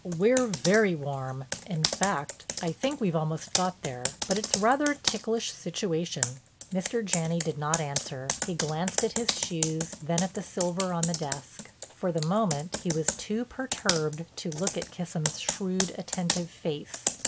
"We're very warm. In fact I think we've almost got there. But it's rather a ticklish situation." Mr. Janney did not answer; he glanced at his shoes, then at the silver on the desk. For the moment he was too perturbed to look at Kissam's shrewd, attentive face.